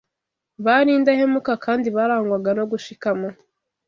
Bari indahemuka kandi barangwaga no gushikama